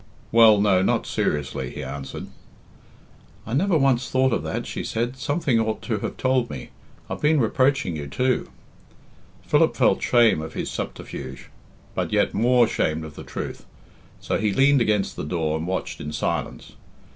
"Well, no not seriously," he answered. "I never once thought of that," she said. "Something ought to have told me. I've been reproaching you, too." Philip felt shame of his subterfuge, but yet more ashamed of the truth; so he leaned against the door and watched in silence.